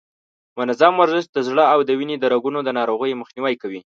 منظم ورزش د زړه او د وینې د رګونو د ناروغیو مخنیوی کوي.